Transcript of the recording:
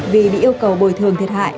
vì bị yêu cầu bồi thường thiệt hại